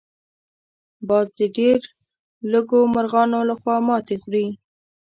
باز د ډېر لږو مرغانو لخوا ماتې خوري